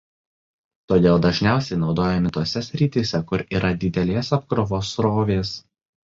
Todėl dažniausiai naudojami tose srityse kur yra didelės apkrovos srovės.